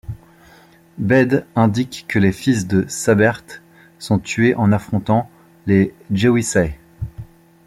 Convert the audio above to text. Bède indique que les fils de Sæberht sont tués en affrontant les Gewissae.